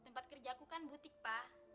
tempat kerja aku kan butik pak